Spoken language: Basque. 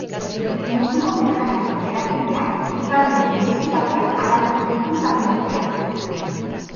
Munduko Merkataritza Erakundeak hitzarmen berezi batean arautu ditu patenteak.